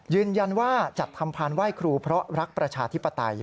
ยืนยันว่าจัดทำพานไหว้ครูเพราะรักประชาธิปไตย